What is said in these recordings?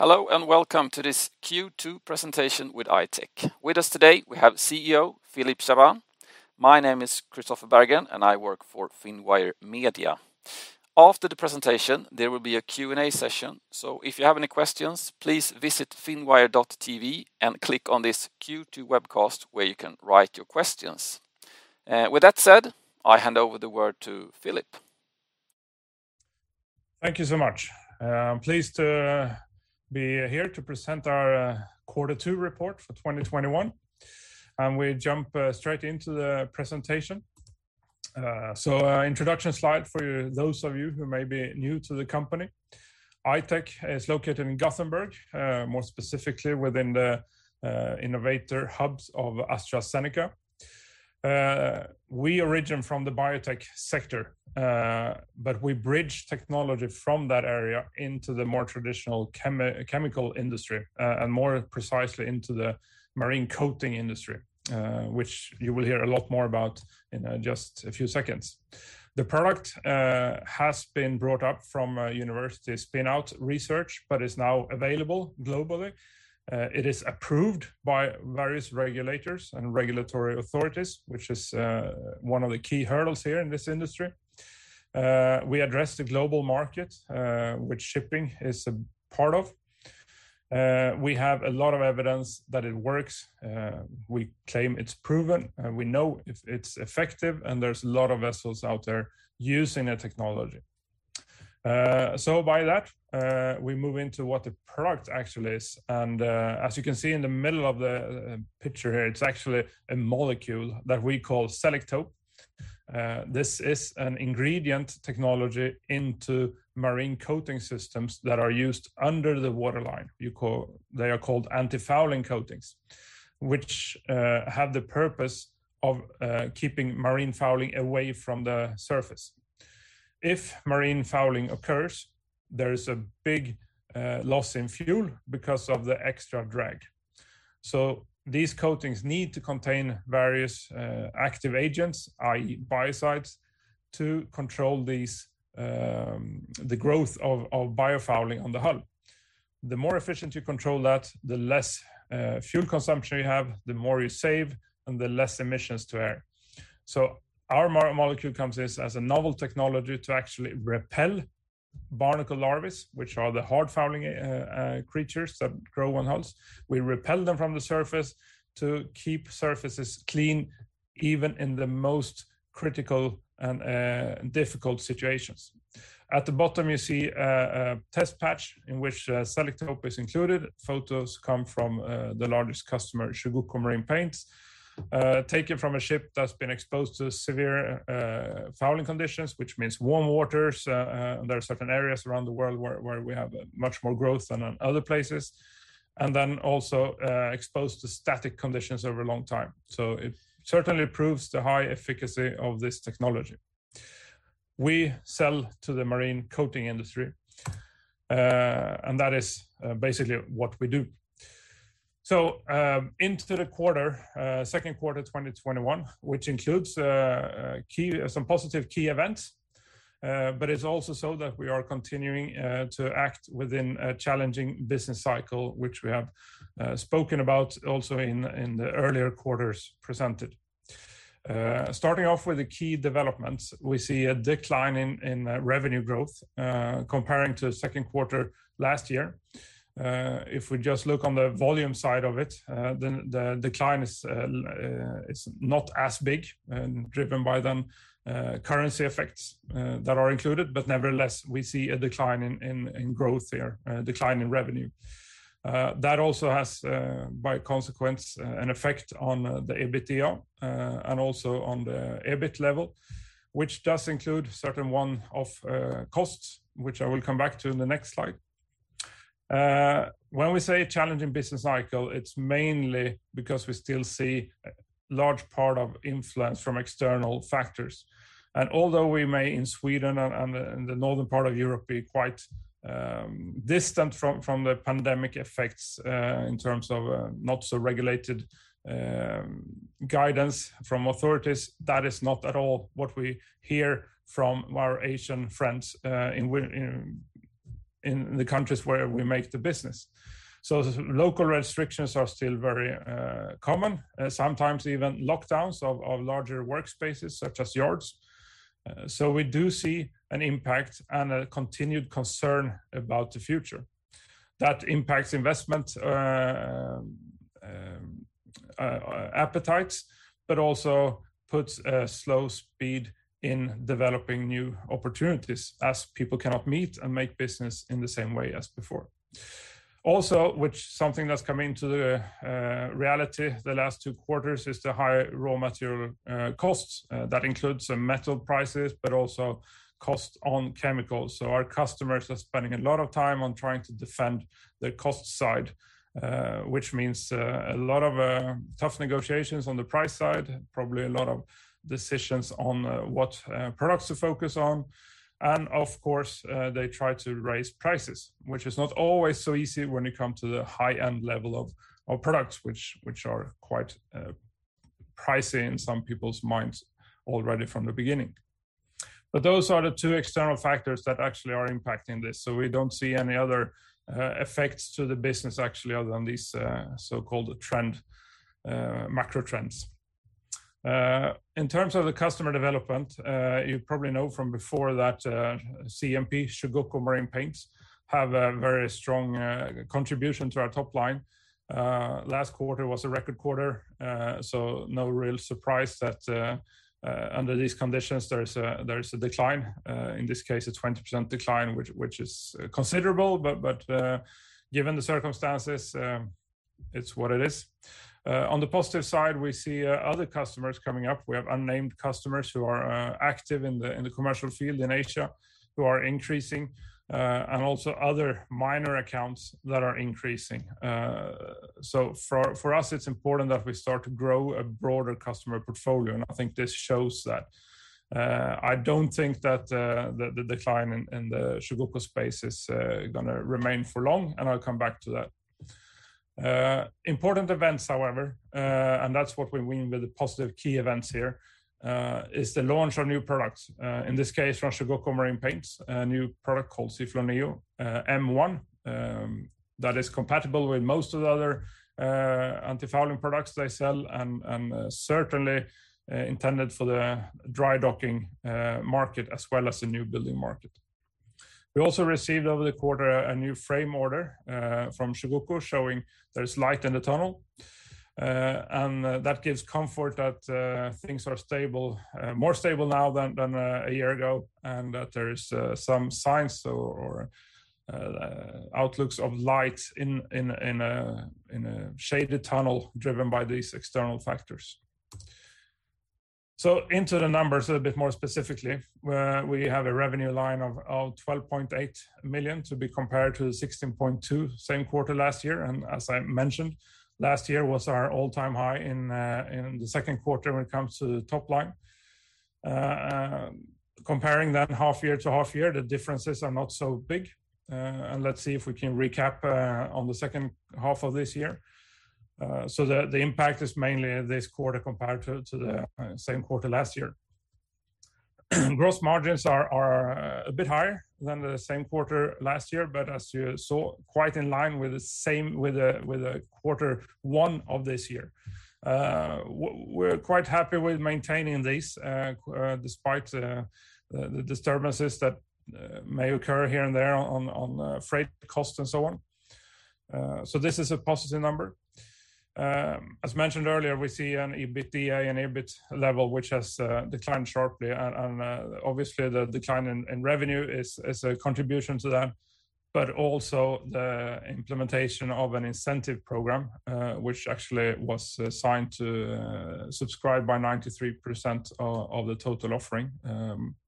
Hello and welcome to this Q2 presentation with I-Tech. With us today, we have CEO Philip Chaabane. My name is Christopher Lagerqvist, and I work for Finwire Media. After the presentation, there will be a Q&A session, so if you have any questions, please visit finwire.tv and click on this Q2 webcast where you can write your questions. With that said, I hand over the word to Philip. Thank you so much. I'm pleased to be here to present our Quarter 2 report for 2021, and we jump straight into the presentation. So, introduction slide for those of you who may be new to the company. I-Tech is located in Gothenburg, more specifically within the innovation hubs of AstraZeneca. We originate from the biotech sector, but we bridge technology from that area into the more traditional chemical industry, and more precisely into the marine coating industry, which you will hear a lot more about in just a few seconds. The product has been brought up from a university spin-out research, but is now available globally. It is approved by various regulators and regulatory authorities, which is one of the key hurdles here in this industry. We address the global market, which shipping is a part of. We have a lot of evidence that it works. We claim it's proven, we know it's effective, and there's a lot of vessels out there using the technology. By that, we move into what the product actually is. As you can see in the middle of the picture here, it's actually a molecule that we call Selektope. This is an ingredient technology into marine coating systems that are used under the waterline. They are called anti-fouling coatings, which have the purpose of keeping biofouling away from the surface. If biofouling occurs, there is a big loss in fuel because of the extra drag. These coatings need to contain various active agents, i.e., biocides, to control the growth of biofouling on the hull. The more efficient you control that, the less fuel consumption you have, the more you save, and the less emissions to air. So, our molecule comes as a novel technology to actually repel barnacle larvae, which are the hard-fouling creatures that grow on hulls. We repel them from the surface to keep surfaces clean, even in the most critical and difficult situations. At the bottom, you see a test patch in which Selektope is included. Photos come from the largest customer, Chugoku Marine Paints, taken from a ship that's been exposed to severe fouling conditions, which means warm waters. There are certain areas around the world where we have much more growth than in other places, and then also exposed to static conditions over a long time. So, it certainly proves the high efficacy of this technology. We sell to the marine coating industry, and that is basically what we do. Into the second quarter 2021, which includes some positive key events, but it's also so that we are continuing to act within a challenging business cycle, which we have spoken about also in the earlier quarters presented. Starting off with the key developments, we see a decline in revenue growth comparing to the second quarter last year. If we just look on the volume side of it, then the decline is not as big, driven by then currency effects that are included, but nevertheless, we see a decline in growth here, a decline in revenue. That also has, by consequence, an effect on the EBITDA and also on the EBIT level, which does include certain costs, which I will come back to in the next slide. When we say a challenging business cycle, it's mainly because we still see a large part of influence from external factors. And although we may, in Sweden and in the northern part of Europe, be quite distant from the pandemic effects in terms of not-so-regulated guidance from authorities, that is not at all what we hear from our Asian friends in the countries where we make the business. So, local restrictions are still very common, sometimes even lockdowns of larger workspaces, such as yards. So, we do see an impact and a continued concern about the future. That impacts investment appetites, but also puts a slow speed in developing new opportunities, as people cannot meet and make business in the same way as before. Also, which is something that's come into the reality the last two quarters, is the high raw material costs. That includes metal prices, but also cost on chemicals. Our customers are spending a lot of time on trying to defend the cost side, which means a lot of tough negotiations on the price side, probably a lot of decisions on what products to focus on. And of course, they try to raise prices, which is not always so easy when you come to the high-end level of products, which are quite pricey in some people's minds already from the beginning. But those are the two external factors that actually are impacting this. So, we don't see any other effects to the business, actually, other than these so-called trends, macro trends. In terms of the customer development, you probably know from before that CMP, Chugoku Marine Paints, have a very strong contribution to our top line. Last quarter was a record quarter, so no real surprise that under these conditions, there is a decline, in this case, a 20% decline, which is considerable, but given the circumstances, it's what it is. On the positive side, we see other customers coming up. We have unnamed customers who are active in the commercial field in Asia who are increasing, and also other minor accounts that are increasing. So, for us, it's important that we start to grow a broader customer portfolio, and I think this shows that. I don't think that the decline in the Chugoku space is going to remain for long, and I'll come back to that. Important events, however, and that's what we mean with the positive key events here, is the launch of new products, in this case from Chugoku Marine Paints, a new product called Seaflo Neo M1 that is compatible with most of the other anti-fouling products they sell, and certainly intended for the dry docking market, as well as the newbuilding market. We also received over the quarter a new frame order from Chugoku showing there is light in the tunnel, and that gives comfort that things are stable, more stable now than a year ago, and that there are some signs or outlooks of light in a shaded tunnel driven by these external factors. Into the numbers a bit more specifically, we have a revenue line of 12.8 million to be compared to 16.2 million same quarter last year, and as I mentioned, last year was our all-time high in the second quarter when it comes to the top line. Comparing then half year to half year, the differences are not so big, and let's see if we can recap on the second half of this year. The impact is mainly this quarter compared to the same quarter last year. Gross margins are a bit higher than the same quarter last year, but as you saw, quite in line with the quarter one of this year. We're quite happy with maintaining these despite the disturbances that may occur here and there on freight costs and so on. This is a positive number. As mentioned earlier, we see an EBITDA and EBIT level, which has declined sharply, and obviously, the decline in revenue is a contribution to that, but also the implementation of an incentive program, which actually was signed to subscribe by 93% of the total offering,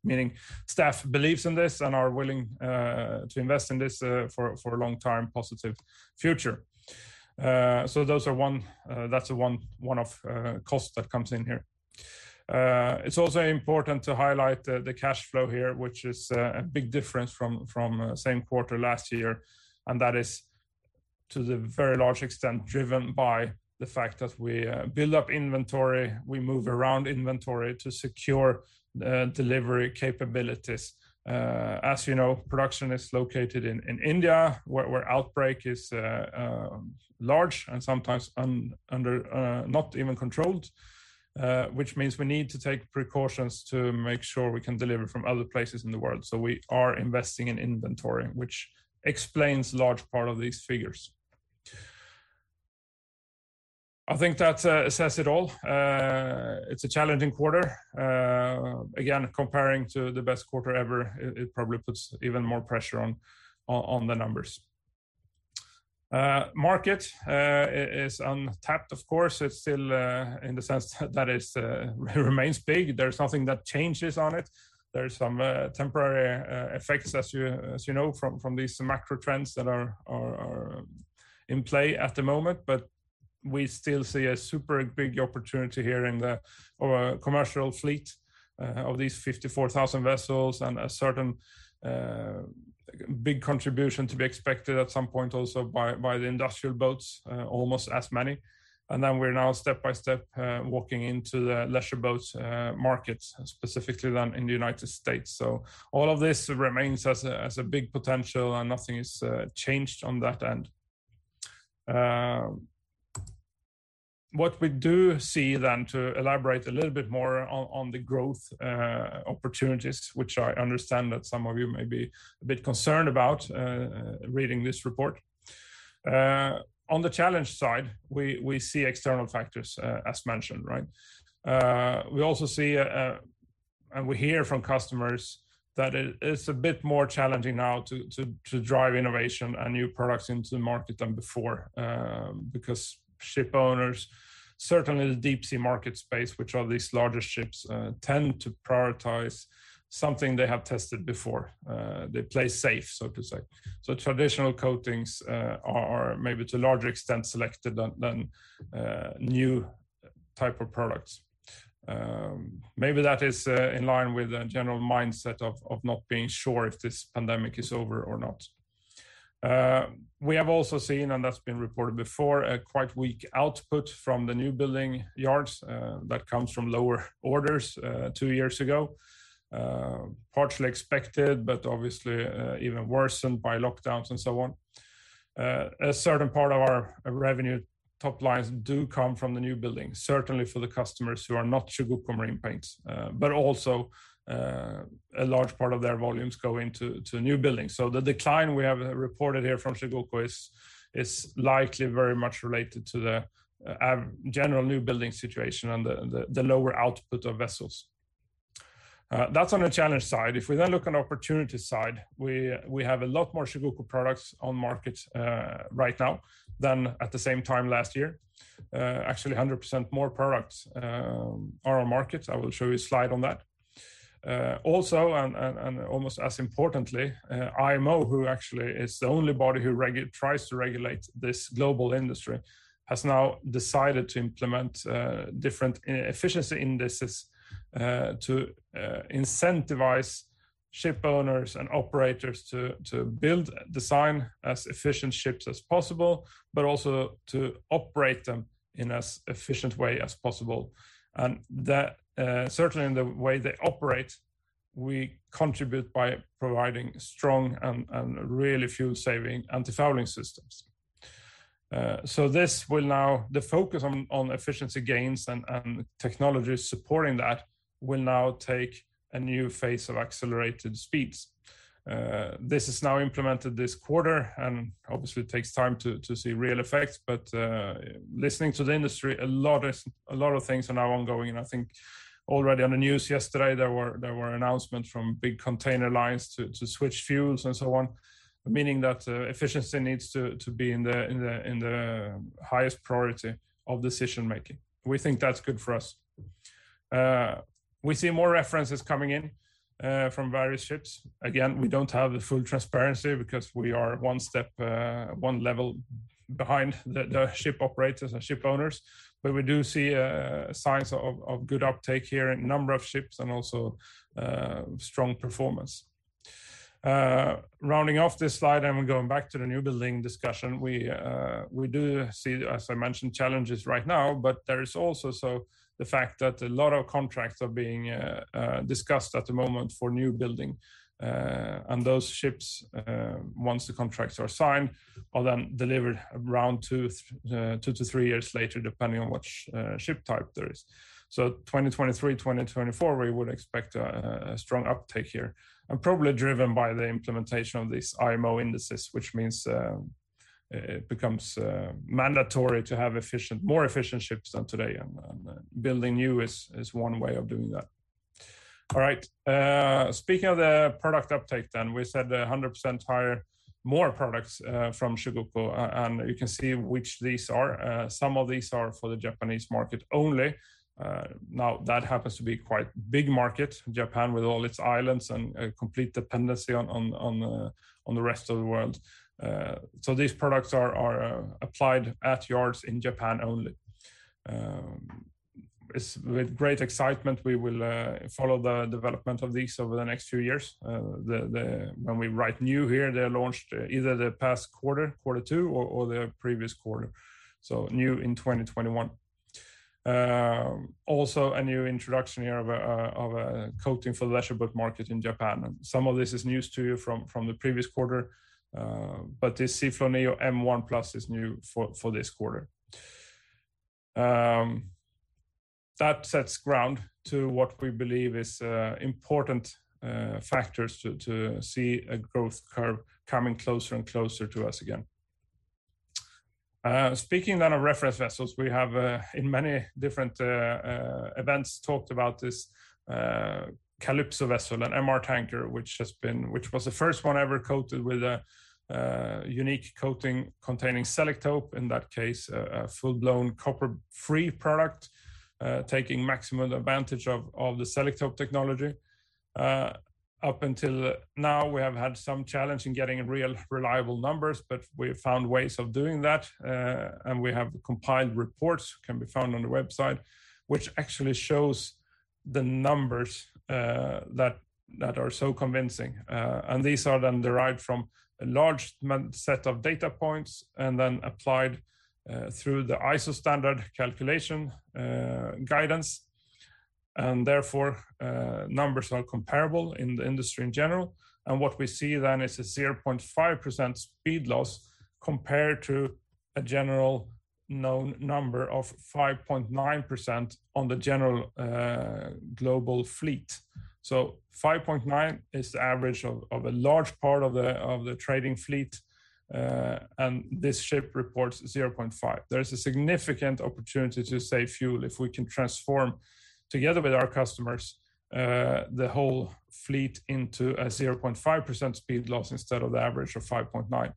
meaning staff believes in this and are willing to invest in this for a long-term positive future. So, that's one of the costs that comes in here. It's also important to highlight the cash flow here, which is a big difference from the same quarter last year, and that is to the very large extent driven by the fact that we build up inventory, we move around inventory to secure delivery capabilities. As you know, production is located in India, where outbreak is large and sometimes not even controlled, which means we need to take precautions to make sure we can deliver from other places in the world. So, we are investing in inventory, which explains a large part of these figures. I think that says it all. It's a challenging quarter. Again, comparing to the best quarter ever, it probably puts even more pressure on the numbers. Market is untapped, of course. It's still in the sense that it remains big. There's nothing that changes on it. There are some temporary effects, as you know, from these macro trends that are in play at the moment, but we still see a super big opportunity here in the commercial fleet of these 54,000 vessels and a certain big contribution to be expected at some point also by the industrial boats, almost as many. And then we're now step by step walking into the leisure boats market, specifically then in the United States. So, all of this remains as a big potential, and nothing is changed on that end. What we do see then, to elaborate a little bit more on the growth opportunities, which I understand that some of you may be a bit concerned about reading this report. On the challenge side, we see external factors, as mentioned, right? We also see, and we hear from customers, that it is a bit more challenging now to drive innovation and new products into the market than before, because ship owners, certainly the deep-sea market space, which are these larger ships, tend to prioritize something they have tested before. They play safe, so to say. So, traditional coatings are maybe to a larger extent selected than new types of products. Maybe that is in line with the general mindset of not being sure if this pandemic is over or not. We have also seen, and that's been reported before, a quite weak output from the new building yards that comes from lower orders two years ago, partially expected, but obviously even worsened by lockdowns and so on. A certain part of our revenue top lines do come from the newbuildings, certainly for the customers who are not Chugoku Marine Paints, but also a large part of their volumes go into newbuildings. So, the decline we have reported here from Chugoku is likely very much related to the general new building situation and the lower output of vessels. That's on the challenge side. If we then look on the opportunity side, we have a lot more Chugoku products on market right now than at the same time last year. Actually, 100% more products are on market. I will show you a slide on that. Also, and almost as importantly, IMO, who actually is the only body who tries to regulate this global industry, has now decided to implement different efficiency indices to incentivize ship owners and operators to build, design as efficient ships as possible, but also to operate them in as efficient a way as possible. And certainly in the way they operate, we contribute by providing strong and really fuel-saving anti-fouling systems. So, this will now, the focus on efficiency gains and technology supporting that will now take a new phase of accelerated speeds. This is now implemented this quarter, and obviously it takes time to see real effects, but listening to the industry, a lot of things are now ongoing, and I think already on the news yesterday, there were announcements from big container lines to switch fuels and so on, meaning that efficiency needs to be in the highest priority of decision-making. We think that's good for us. We see more references coming in from various ships. Again, we don't have the full transparency because we are one step, one level behind the ship operators and ship owners, but we do see signs of good uptake here in a number of ships and also strong performance. Rounding off this slide and going back to the new building discussion, we do see, as I mentioned, challenges right now, but there is also the fact that a lot of contracts are being discussed at the moment for new building, and those ships, once the contracts are signed, are then delivered around two to three years later, depending on which ship type there is. So, 2023, 2024, we would expect a strong uptake here, and probably driven by the implementation of these IMO indices, which means it becomes mandatory to have more efficient ships than today, and building new is one way of doing that. All right, speaking of the product uptake then, we said 100% higher, more products from Chugoku, and you can see which these are. Some of these are for the Japanese market only. Now, that happens to be a quite big market, Japan, with all its islands and complete dependency on the rest of the world. So, these products are applied at yards in Japan only. With great excitement, we will follow the development of these over the next few years. When we write new here, they launched either the past quarter, quarter two, or the previous quarter. So, new in 2021. Also, a new introduction here of a coating for the leisure boat market in Japan. Some of this is news to you from the previous quarter, but this SeaFlo Neo M1 PLUS is new for this quarter. That sets ground to what we believe is important factors to see a growth curve coming closer and closer to us again. Speaking then of reference vessels, we have in many different events talked about this Calypso vessel, an MR tanker, which was the first one ever coated with a unique coating containing Selektope, in that case, a full-blown copper-free product, taking maximum advantage of the Selektope technology. Up until now, we have had some challenge in getting real reliable numbers, but we found ways of doing that, and we have compiled reports that can be found on the website, which actually shows the numbers that are so convincing. And these are then derived from a large set of data points and then applied through the ISO standard calculation guidance, and therefore, numbers are comparable in the industry in general. And what we see then is a 0.5% speed loss compared to a general known number of 5.9% on the general global fleet. 5.9 is the average of a large part of the trading fleet, and this ship reports 0.5. There is a significant opportunity to save fuel if we can transform, together with our customers, the whole fleet into a 0.5% speed loss instead of the average of 5.9.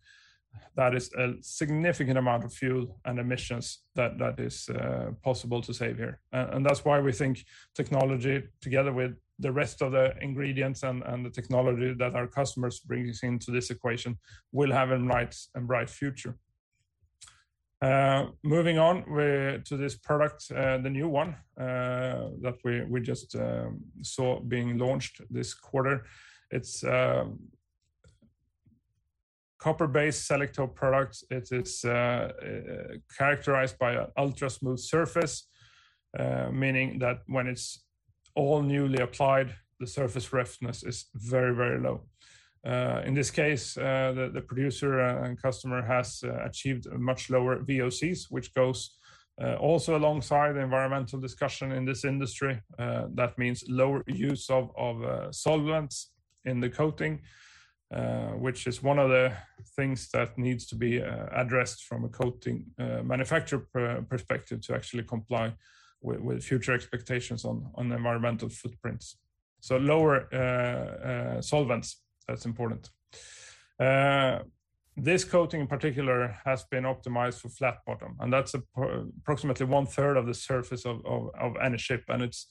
That is a significant amount of fuel and emissions that is possible to save here. And that's why we think technology, together with the rest of the ingredients and the technology that our customers bring into this equation, will have a bright future. Moving on to this product, the new one that we just saw being launched this quarter, it's copper-based Selektope product. It is characterized by an ultra-smooth surface, meaning that when it's all newly applied, the surface roughness is very, very low. In this case, the producer and customer has achieved much lower VOCs, which goes also alongside the environmental discussion in this industry. That means lower use of solvents in the coating, which is one of the things that needs to be addressed from a coating manufacturer perspective to actually comply with future expectations on environmental footprints, so lower solvents, that's important. This coating in particular has been optimized for flat bottom, and that's approximately one-third of the surface of any ship, and it's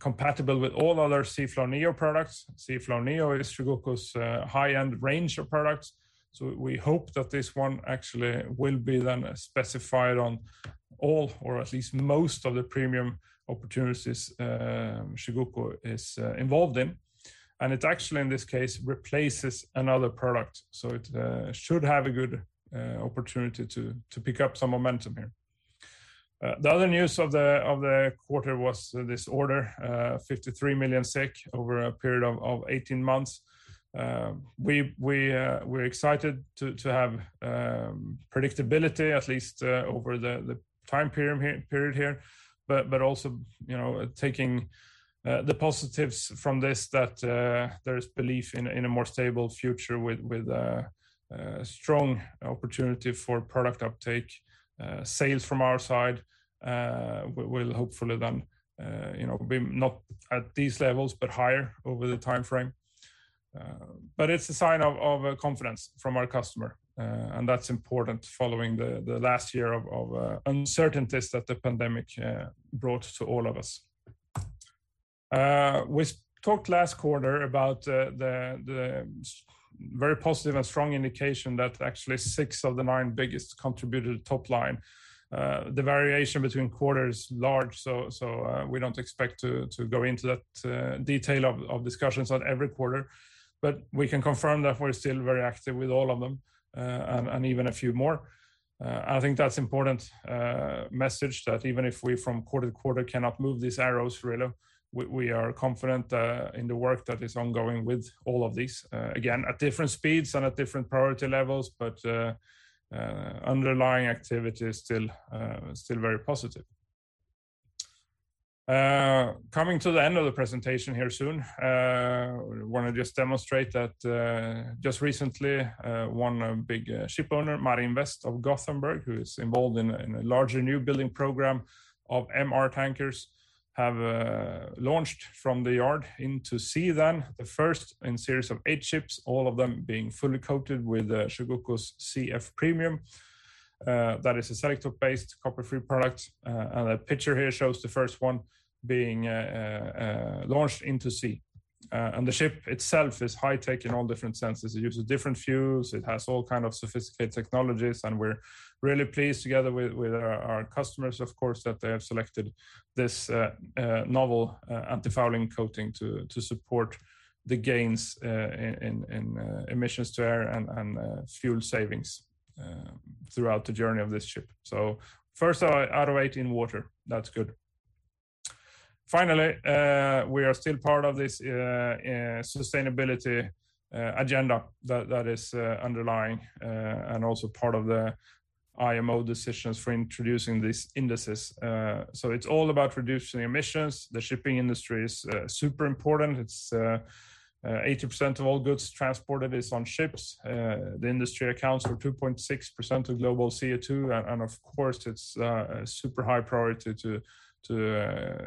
compatible with all other SeaFlo Neo products. SeaFlo Neo is Chugoku's high-end range of products, so we hope that this one actually will be then specified on all, or at least most of the premium opportunities Chugoku is involved in, and it actually, in this case, replaces another product, so it should have a good opportunity to pick up some momentum here. The other news of the quarter was this order, 53 million SEK over a period of 18 months. We're excited to have predictability, at least over the time period here, but also taking the positives from this, that there is belief in a more stable future with strong opportunity for product uptake. Sales from our side will hopefully then be not at these levels, but higher over the time frame. But it's a sign of confidence from our customer, and that's important following the last year of uncertainties that the pandemic brought to all of us. We talked last quarter about the very positive and strong indication that actually six of the nine biggest contributed top line. The variation between quarters is large, so we don't expect to go into that detail of discussions on every quarter, but we can confirm that we're still very active with all of them and even a few more. I think that's an important message that even if we from quarter to quarter cannot move these arrows really, we are confident in the work that is ongoing with all of these. Again, at different speeds and at different priority levels, but underlying activity is still very positive. Coming to the end of the presentation here soon, I want to just demonstrate that just recently, one big ship owner, Marinvest of Gothenburg, who is involved in a larger new building program of MR tankers, have launched from the yard into sea then the first in series of eight ships, all of them being fully coated with Chugoku's CF Premium. That is a Selektope-based copper-free product, and the picture here shows the first one being launched into sea. And the ship itself is high-tech in all different senses. It uses different fuels, it has all kinds of sophisticated technologies, and we're really pleased together with our customers, of course, that they have selected this novel anti-fouling coating to support the gains in emissions to air and fuel savings throughout the journey of this ship. So, first out of eight in water, that's good. Finally, we are still part of this sustainability agenda that is underlying and also part of the IMO decisions for introducing these indices. So, it's all about reducing emissions. The shipping industry is super important. It's 80% of all goods transported is on ships. The industry accounts for 2.6% of global CO2, and of course, it's a super high priority to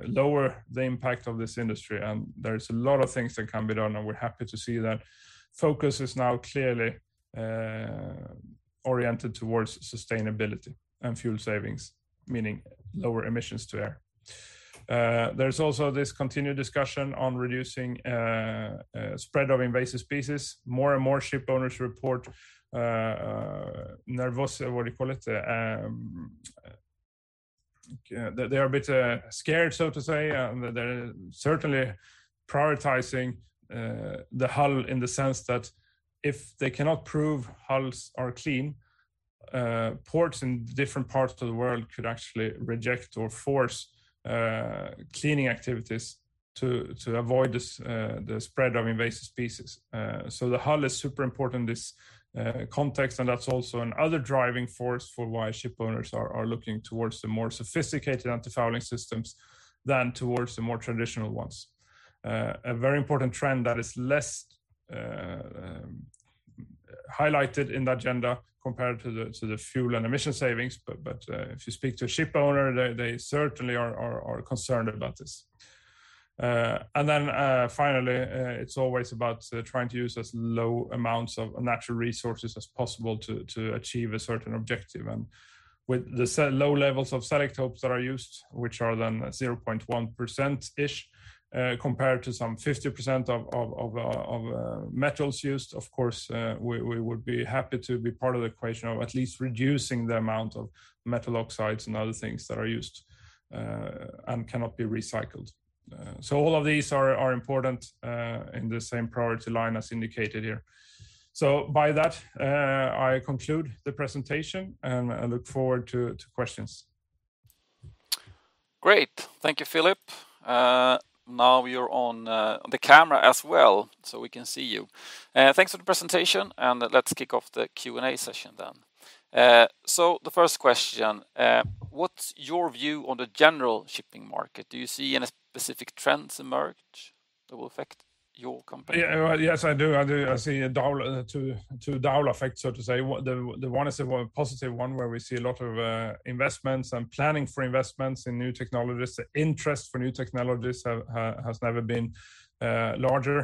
lower the impact of this industry, and there's a lot of things that can be done, and we're happy to see that focus is now clearly oriented towards sustainability and fuel savings, meaning lower emissions to air. There's also this continued discussion on reducing spread of invasive species. More and more ship owners report nervous, what do you call it? They are a bit scared, so to say, and they're certainly prioritizing the hull in the sense that if they cannot prove hulls are clean, ports in different parts of the world could actually reject or force cleaning activities to avoid the spread of invasive species. So, the hull is super important in this context, and that's also another driving force for why ship owners are looking towards the more sophisticated anti-fouling systems than towards the more traditional ones. A very important trend that is less highlighted in the agenda compared to the fuel and emission savings, but if you speak to a ship owner, they certainly are concerned about this. And then finally, it's always about trying to use as low amounts of natural resources as possible to achieve a certain objective. And with the low levels of Selektope that are used, which are then 0.1%-ish compared to some 50% of metals used, of course, we would be happy to be part of the equation of at least reducing the amount of metal oxides and other things that are used and cannot be recycled. So, all of these are important in the same priority line as indicated here. So, by that, I conclude the presentation, and I look forward to questions. Great, thank you Philip. Now you're on the camera as well, so we can see you. Thanks for the presentation, and let's kick off the Q&A session then. So, the first question, what's your view on the general shipping market? Do you see any specific trends emerge that will affect your company? Yes, I do. I see a dual effect, so to say. The one is a positive one where we see a lot of investments and planning for investments in new technologies. The interest for new technologies has never been larger,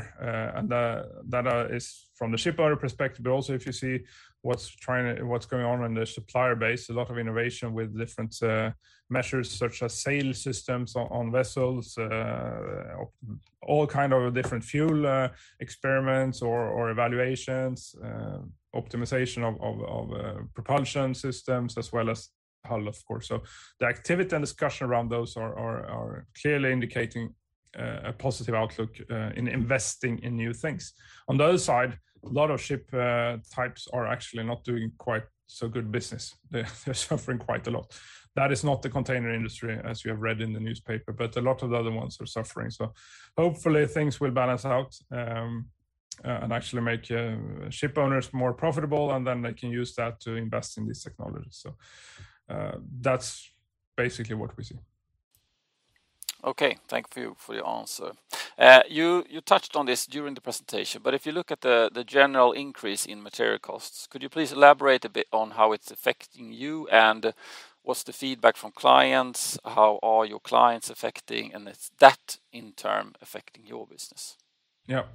and that is from the ship owner perspective, but also if you see what's going on in the supplier base, a lot of innovation with different measures such as sail systems on vessels, all kinds of different fuel experiments or evaluations, optimization of propulsion systems, as well as hull, of course, so the activity and discussion around those are clearly indicating a positive outlook in investing in new things. On the other side, a lot of ship types are actually not doing quite so good business. They're suffering quite a lot. That is not the container industry, as you have read in the newspaper, but a lot of the other ones are suffering. So, hopefully, things will balance out and actually make ship owners more profitable, and then they can use that to invest in these technologies. So, that's basically what we see. Okay, thank you for your answer. You touched on this during the presentation, but if you look at the general increase in material costs, could you please elaborate a bit on how it's affecting you and what's the feedback from clients? How are your clients affecting, and is that in turn affecting your business? Yeah,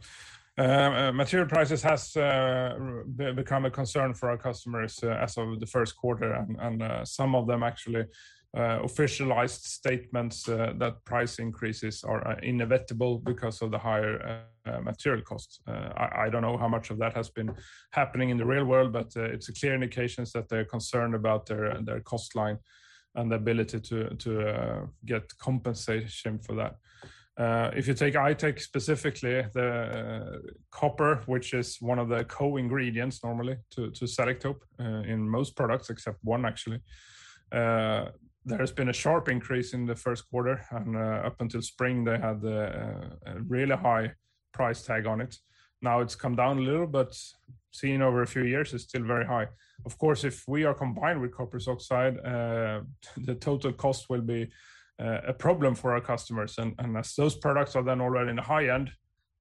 material prices have become a concern for our customers as of the first quarter, and some of them actually officialized statements that price increases are inevitable because of the higher material costs. I don't know how much of that has been happening in the real world, but it's a clear indication that they're concerned about their cost line and the ability to get compensation for that. If you take I-Tech specifically, the copper, which is one of the co-ingredients normally to Selektope in most products, except one actually, there has been a sharp increase in the first quarter, and up until spring, they had a really high price tag on it. Now it's come down a little, but seen over a few years, it's still very high. Of course, if we are combined with copper sulfide, the total cost will be a problem for our customers, and as those products are then already in the high end,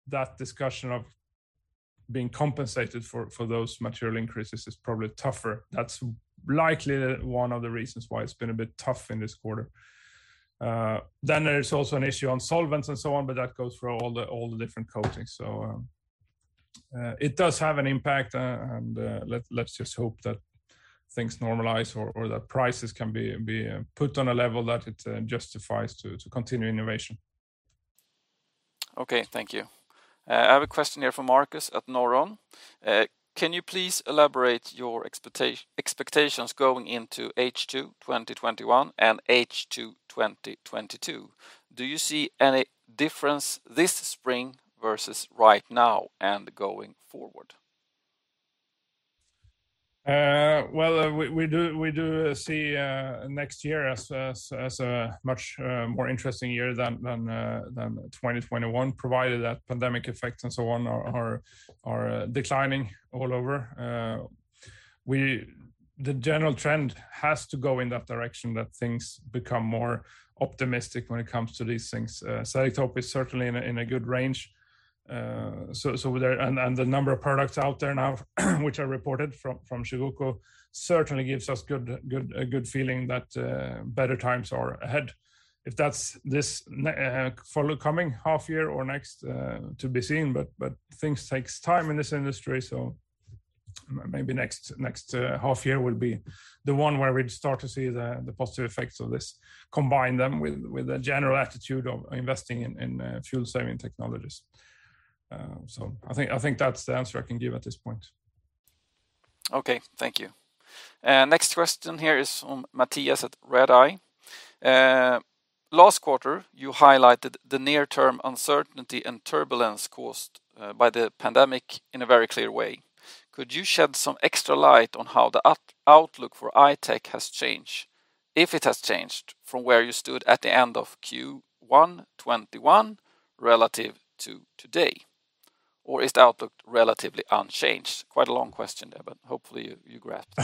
that discussion of being compensated for those material increases is probably tougher. That's likely one of the reasons why it's been a bit tough in this quarter. Then there's also an issue on solvents and so on, but that goes for all the different coatings. So, it does have an impact, and let's just hope that things normalize or that prices can be put on a level that it justifies to continue innovation. Okay, thank you. I have a question here for Marcus at Norron. Can you please elaborate your expectations going into H2 2021 and H2 2022? Do you see any difference this spring versus right now and going forward? We do see next year as a much more interesting year than 2021, provided that pandemic effects and so on are declining all over. The general trend has to go in that direction that things become more optimistic when it comes to these things. Selektope is certainly in a good range, and the number of products out there now, which are reported from Chugoku, certainly gives us a good feeling that better times are ahead. If that's this for the coming half year or next, to be seen, but things take time in this industry, so maybe next half year will be the one where we'd start to see the positive effects of this, combine them with the general attitude of investing in fuel-saving technologies. So, I think that's the answer I can give at this point. Okay, thank you. Next question here is from Mattias at Red Eye. Last quarter, you highlighted the near-term uncertainty and turbulence caused by the pandemic in a very clear way. Could you shed some extra light on how the outlook for I-Tech has changed, if it has changed, from where you stood at the end of Q1 2021 relative to today? Or is the outlook relatively unchanged? Quite a long question there, but hopefully you grasped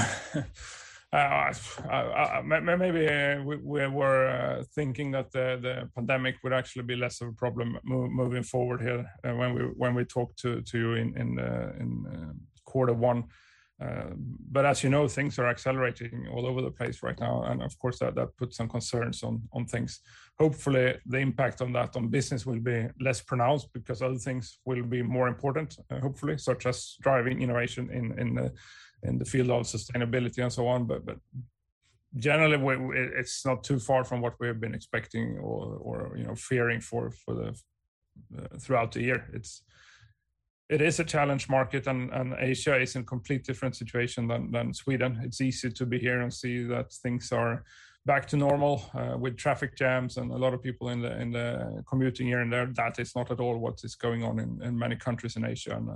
it. Maybe we were thinking that the pandemic would actually be less of a problem moving forward here when we talked to you in quarter one, but as you know, things are accelerating all over the place right now, and of course, that puts some concerns on things. Hopefully, the impact on that on business will be less pronounced because other things will be more important, hopefully, such as driving innovation in the field of sustainability and so on, but generally, it's not too far from what we have been expecting or fearing for throughout the year. It is a challenge market, and Asia is in a completely different situation than Sweden. It's easy to be here and see that things are back to normal with traffic jams and a lot of people in the commuting here and there. That is not at all what is going on in many countries in Asia, and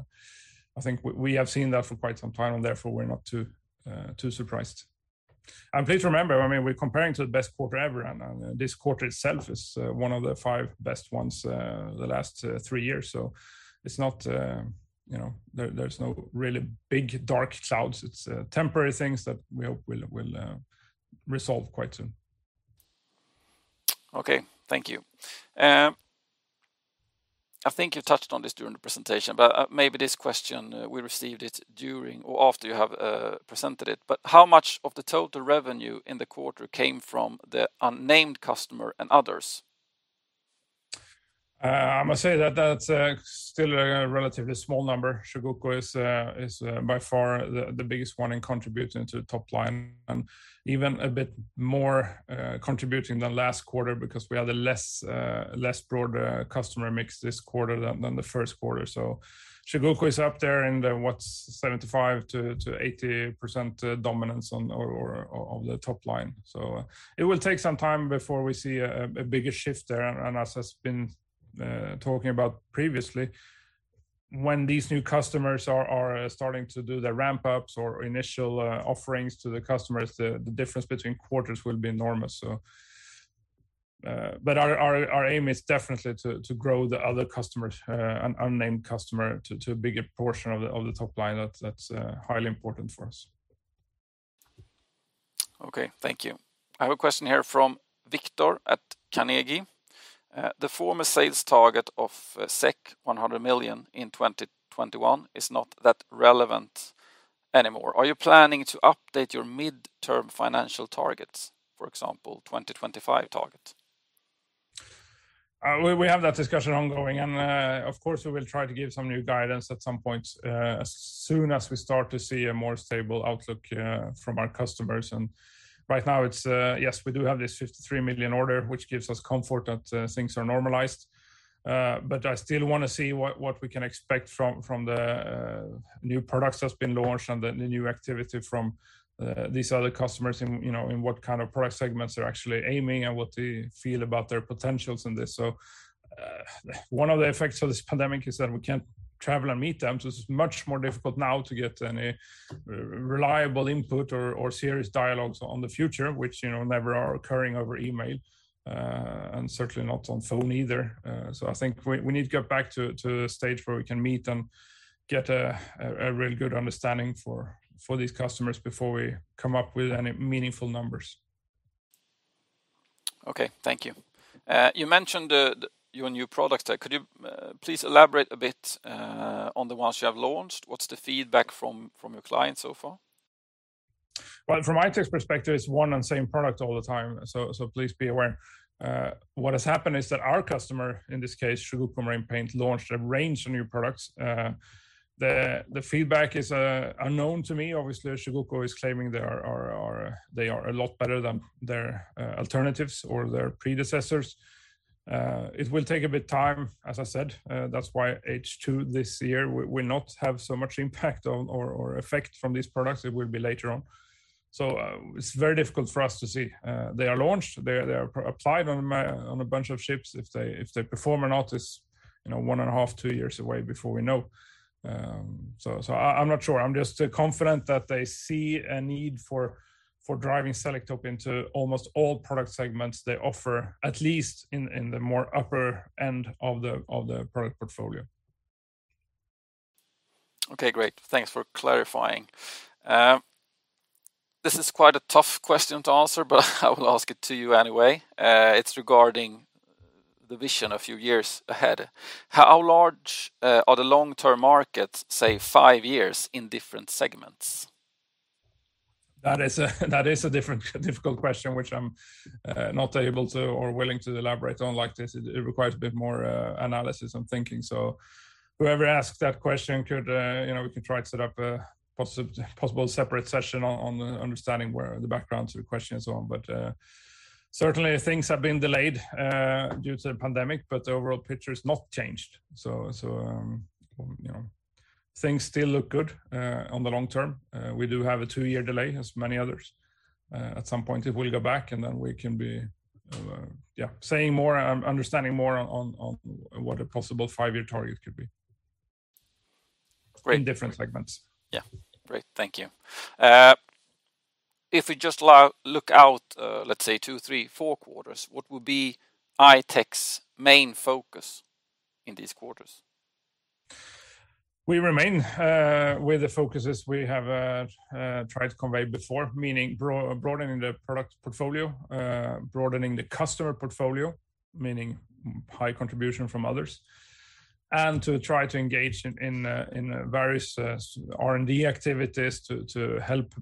I think we have seen that for quite some time, and therefore, we're not too surprised. And please remember, I mean, we're comparing to the best quarter ever, and this quarter itself is one of the five best ones the last three years, so it's not, you know, there's no really big dark clouds. It's temporary things that we hope will resolve quite soon. Okay, thank you. I think you've touched on this during the presentation, but maybe this question, we received it during or after you have presented it, but how much of the total revenue in the quarter came from the unnamed customer and others? I must say that that's still a relatively small number. Chugoku is by far the biggest one in contributing to the top line, and even a bit more contributing than last quarter because we had a less broad customer mix this quarter than the first quarter. So, Chugoku is up there in the, what, 75%-80% dominance of the top line. So, it will take some time before we see a bigger shift there, and as I've been talking about previously, when these new customers are starting to do their ramp-ups or initial offerings to the customers, the difference between quarters will be enormous. So, but our aim is definitely to grow the other customers, an unnamed customer, to a bigger portion of the top line. That's highly important for us. Okay, thank you. I have a question here from Viktor at Carnegie. The former sales target of 100 million in 2021 is not that relevant anymore. Are you planning to update your mid-term financial targets, for example, 2025 target? We have that discussion ongoing, and of course, we will try to give some new guidance at some point as soon as we start to see a more stable outlook from our customers. And right now, it's, yes, we do have this 53 million order, which gives us comfort that things are normalized, but I still want to see what we can expect from the new products that have been launched and the new activity from these other customers in what kind of product segments they're actually aiming and what they feel about their potentials in this. So, one of the effects of this pandemic is that we can't travel and meet them, so it's much more difficult now to get any reliable input or serious dialogues on the future, which, you know, never are occurring over email and certainly not on phone either. So, I think we need to get back to the stage where we can meet and get a real good understanding for these customers before we come up with any meaningful numbers. Okay, thank you. You mentioned your new product. Could you please elaborate a bit on the ones you have launched? What's the feedback from your clients so far? From I-Tech's perspective, it's one and the same product all the time, so please be aware. What has happened is that our customer, in this case, Chugoku Marine Paint, launched a range of new products. The feedback is unknown to me. Obviously, Chugoku is claiming they are a lot better than their alternatives or their predecessors. It will take a bit of time, as I said. That's why H2 this year will not have so much impact or effect from these products. It will be later on. It's very difficult for us to see. They are launched. They are applied on a bunch of ships. If they perform or not, it's one and a half, two years away before we know. I'm not sure. I'm just confident that they see a need for driving Selektope into almost all product segments they offer, at least in the more upper end of the product portfolio. Okay, great. Thanks for clarifying. This is quite a tough question to answer, but I will ask it to you anyway. It's regarding the vision a few years ahead. How large are the long-term markets, say, five years in different segments? That is a difficult question, which I'm not able to or willing to elaborate on like this. It requires a bit more analysis and thinking. So, whoever asked that question, we can try to set up a possible separate session on understanding the background to the question and so on, but certainly, things have been delayed due to the pandemic, but the overall picture has not changed. So, things still look good on the long term. We do have a two-year delay, as many others. At some point, it will go back, and then we can be, yeah, saying more and understanding more on what a possible five-year target could be in different segments. Yeah, great. Thank you. If we just look out, let's say, two, three, four quarters, what will be I-Tech's main focus in these quarters? We remain with the focuses we have tried to convey before, meaning broadening the product portfolio, broadening the customer portfolio, meaning high contribution from others, and to try to engage in various R&D activities to help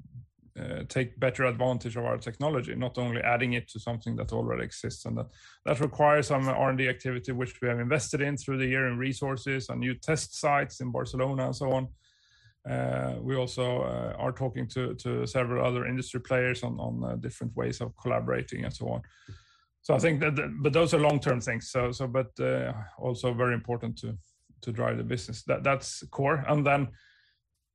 take better advantage of our technology, not only adding it to something that already exists, and that requires some R&D activity, which we have invested in through the year in resources and new test sites in Barcelona and so on. We also are talking to several other industry players on different ways of collaborating and so on, so I think that, but those are long-term things, but also very important to drive the business. That's core. Then,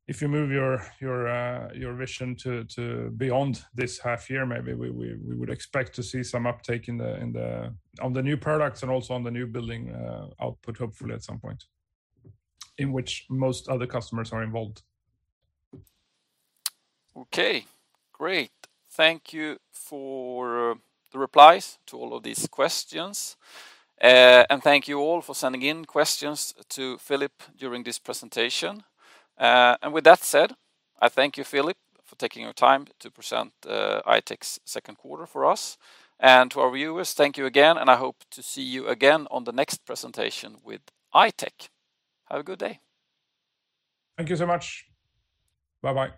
if you move your vision to beyond this half year, maybe we would expect to see some uptake on the new products and also on the new building output, hopefully at some point, in which most other customers are involved. Okay, great. Thank you for the replies to all of these questions, and thank you all for sending in questions to Philip during this presentation. And with that said, I thank you, Philip, for taking your time to present I-Tech's second quarter for us. And to our viewers, thank you again, and I hope to see you again on the next presentation with I-Tech. Have a good day. Thank you so much. Bye-bye.